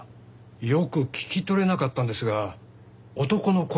よく聞き取れなかったんですが男の声でした。